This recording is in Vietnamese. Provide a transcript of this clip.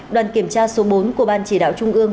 đoàn kiểm tra số bốn của ban chỉ đạo trung ương